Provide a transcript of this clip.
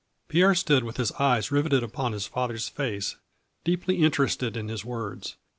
Pierre stood with his eyes riveted upon his father's face, deeply interested in his words.